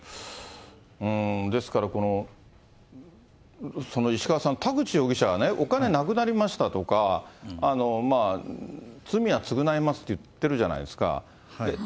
ですからこの、石川さん、田口容疑者がお金なくなりましたとか、罪は償いますと言ってるじゃないですか。